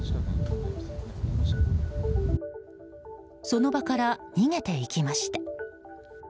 その場から逃げていきました。